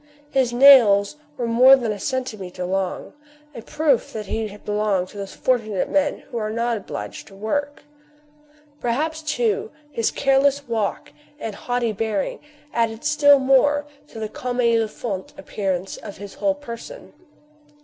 His nails were more than a centimetre long, a proof that he belonged to those fortunate men who are not obliged to work. Perhaps, too, his careless walk and haughty bearing added still more to the commue il faut appearance of his whole person.